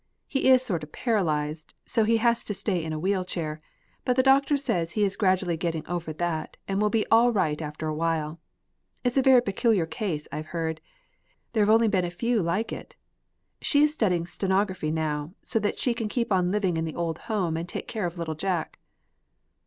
He is sort of paralyzed, so he has to stay in a wheel chair; but the doctor says he is gradually getting over that, and will be all right after awhile. It's a very peculiar case, I've heard. There have only been a few like it. She is studying stenography now, so that she can keep on living in the old home and take care of little Jack."